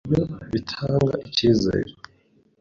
ku buryo bitanga icyizere